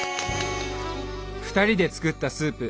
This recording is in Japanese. ２人で作ったスープ。